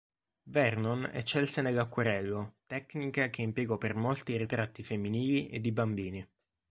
Vernon eccelse nell'acquarello, tecnica che impiegò per molti ritratti femminili e di bambini.